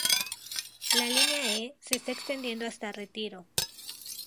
La Línea E se está extendiendo hasta Retiro.